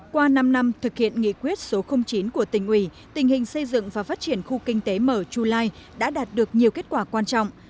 qua năm năm thực hiện nghị quyết số chín của tỉnh ủy tình hình xây dựng và phát triển khu kinh tế mở chu lai đã đạt được nhiều kết quả quan trọng